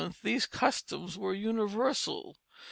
these customs were universal.